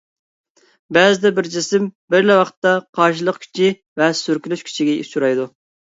بەزىدە بىر جىسىم بىرلا ۋاقىتتا قارشىلىق كۈچى ۋە سۈركىلىش كۈچىگە ئۇچرايدۇ.